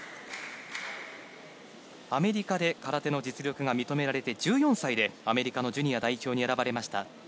アメリカで空手の実力が認められて１４歳でアメリカのジュニア代表に選ばれました。